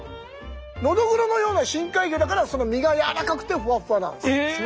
ノドグロのような深海魚だから身が軟らかくてふわふわなんです。